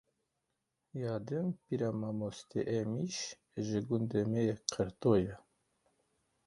Ya din pîra mamoste Êmiş ji gundê me yê Qerto ye